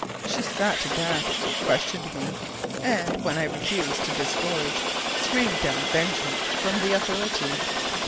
She sat aghast, questioned me, and, when I refused to disgorge, screamed down vengeance from the authorities.